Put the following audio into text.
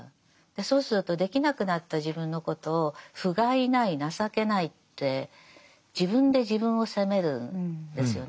そうするとできなくなった自分のことをふがいない情けないって自分で自分を責めるんですよね。